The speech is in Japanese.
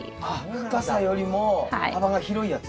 深さよりも幅が広いやつ。